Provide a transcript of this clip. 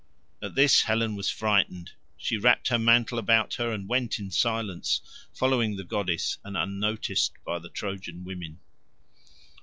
At this Helen was frightened. She wrapped her mantle about her and went in silence, following the goddess and unnoticed by the Trojan women.